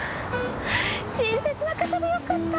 親切な方でよかった！